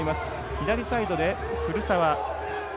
左サイドで古澤。